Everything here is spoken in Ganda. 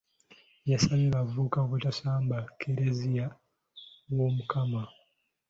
Yasabye abavubuka obuteesamba Kkereziya w’Omukama.